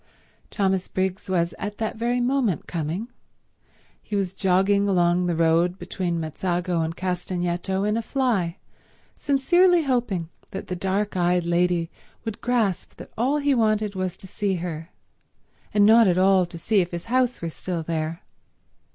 Thomas Briggs was at that very moment coming. He was jogging along the road between Mezzago and Castagneto in a fly, sincerely hoping that the dark eyed lady would grasp that all he wanted was to see her, and not at all to see if his house were still there.